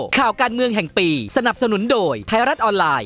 ข่าวการเมืองแห่งปีสนับสนุนโดยไทยรัฐออนไลน์